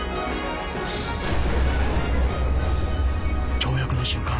跳躍の瞬間